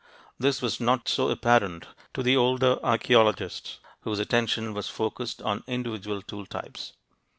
This was not so apparent to the older archeologists, whose attention was focused on individual tool types.